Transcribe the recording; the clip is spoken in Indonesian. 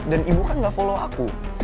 dan ibu kan gak follow aku